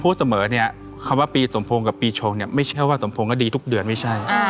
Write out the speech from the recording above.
พูดเสมอเนี่ยคำว่าปีสมพงษ์กับปีชงเนี่ยไม่ใช่ว่าสมพงษ์ก็ดีทุกเดือนไม่ใช่